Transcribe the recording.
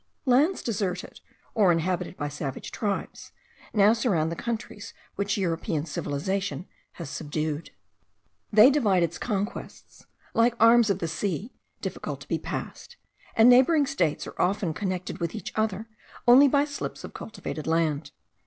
Lands deserted, or inhabited by savage tribes, now surround the countries which European civilization has subdued. They divide its conquests like arms of the sea difficult to be passed, and neighbouring states are often connected with each other only by slips of cultivated land.